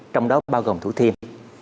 trong đó bao gồm thú thiêm